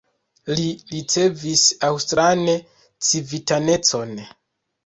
Li ricevis aŭstran civitanecon.